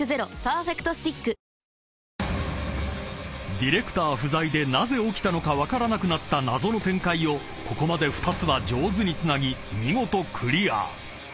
［ディレクター不在でなぜ起きたのか分からなくなった謎の展開をここまで２つは上手につなぎ見事クリア］